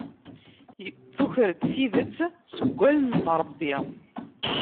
Tuker-d tidet seg wallen n Ṛebbi.